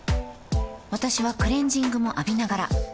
私はクレジングも浴びながら